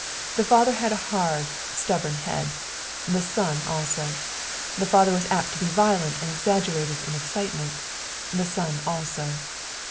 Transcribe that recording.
The father had a hard, stubborn head ; the son also. The father was apt to be violent and exaggerated in excitement; the son also.